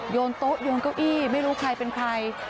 โยนโต๊ะโยนเก้าอี้ไม่รู้ใครเป็นใคร